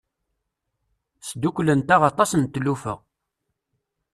Sdukklent-aɣ aṭas n tlufa.